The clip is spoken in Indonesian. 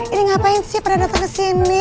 ini ngapain sih pada datang kesini